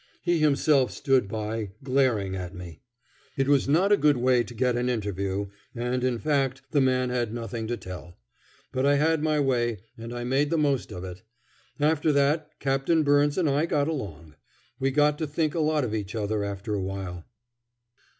He himself stood by, glaring at me. It was not a good way to get an interview, and, in fact, the man had nothing to tell. But I had my way and I made the most of it. After that Captain Byrnes and I got along. We got to think a lot of each other after a while.